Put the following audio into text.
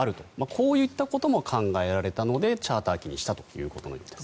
こういったことも考えられたのでチャーター機にしたということのようです。